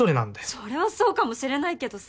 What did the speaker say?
それはそうかもしれないけどさ。